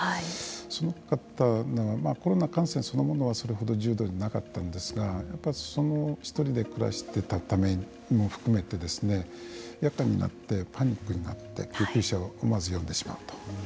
その方はコロナ感染そのものはそれほど重度ではなかったんですが１人で暮らしていたために夜間になってパニックになって救急車を思わず呼んでしまうと。